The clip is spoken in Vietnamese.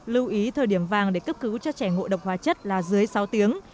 lưu ý thời điểm vàng để cấp cứu cho trẻ ngộ độc hóa chất là dưới sáu tiếng